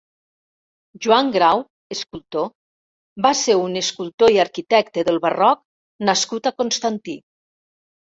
Joan Grau (escultor) va ser un escultor i arquitecte del barroc nascut a Constantí.